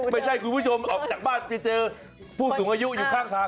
ไม่ใช่คุณผู้ชมออกจากบ้านไปเจอผู้สูงอายุอยู่ข้างทาง